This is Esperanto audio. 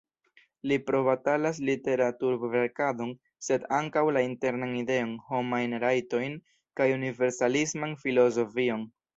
Li probatalas literaturverkadon, sed ankaŭ la Internan Ideon, homajn rajtojn, kaj universalisman filozofion.